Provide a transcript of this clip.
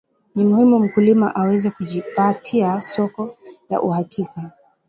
ni muhimu mkulima aweze kujipatia soko la uhakika